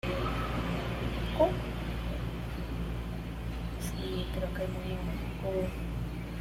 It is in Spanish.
Murió en Moscú.